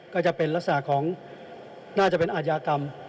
ก็จะเป็นลักษณะของน่าจะเป็นอาชญากรรม